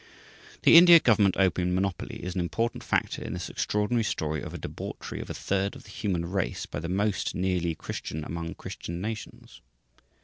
The India Government Opium Monopoly is an import factor in this extraordinary story of a debauchery of a third of the human race by the most nearly Christian among Christian nations.